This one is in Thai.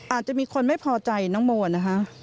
อาจจะมีคนไม่พอใจน้องโมนะคะ